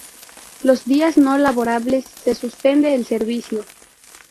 Los días no laborables se suspende el servicio.